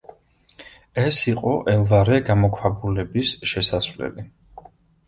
ეს იყო ელვარე გამოქვაბულების შესასვლელი.